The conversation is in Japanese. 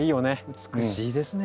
美しいですね。